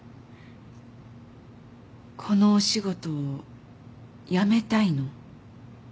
このお仕事を辞めたいの？